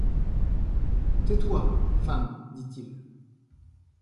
Tais-toy, femme ! dit-il.